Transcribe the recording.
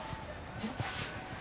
えっ！